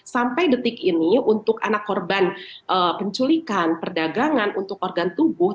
sampai detik ini untuk anak korban penculikan perdagangan untuk organ tubuh